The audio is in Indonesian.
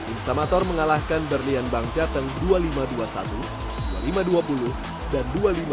insamator mengalahkan berlian bang jateng dua puluh lima dua puluh satu dua puluh lima dua puluh dan dua puluh lima dua puluh